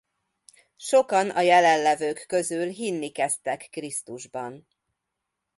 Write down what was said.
Sokan a jelenlevők közül hinni kezdtek Krisztusban.